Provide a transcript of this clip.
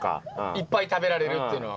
いっぱい食べられるっていうのは。